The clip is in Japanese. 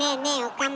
岡村。